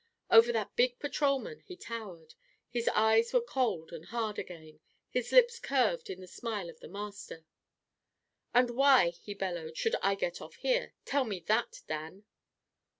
Over that big patrolman he towered; his eyes were cold and hard again; his lips curved in the smile of the master. "And why," he bellowed, "should I get off here? Tell me that, Dan."